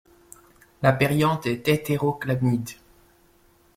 Le périanthe est hétérochlamyde.